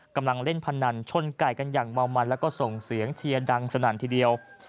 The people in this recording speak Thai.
กำลังเล่นพนันชนไก่กันอย่างเมามันแล้วก็ส่งเสียงเชียร์ดังสนั่นทีเดียว